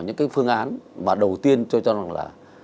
những cái phương án mà đầu tiên tôi cho rằng là